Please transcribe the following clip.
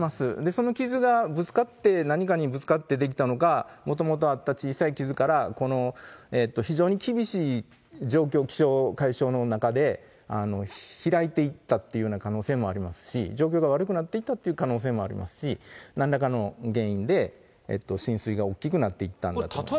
その傷がぶつかって、何かにぶつかって出来たのか、もともとあった小さい傷からこの非常に厳しい状況、気象、海象の中で開いていったっていうような可能性もありますし、状況が悪くなっていったっていう可能性もありますし、なんらかの原因で浸水が大きくなっていたんだと思います。